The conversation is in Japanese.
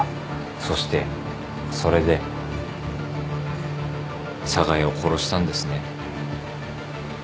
そしてそれで寒河江を殺したんですね。